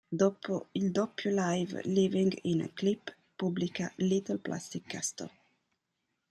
Dopo il doppio live "Living in a Clip", pubblica "Little Plastic Castle".